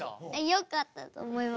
よかったと思います。